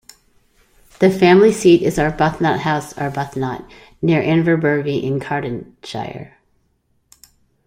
The family seat is Arbuthnott House, Arbuthnott, near Inverbervie in Kincardineshire.